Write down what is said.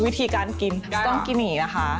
วิธีการกินต้องกินอย่างนี้นะคะ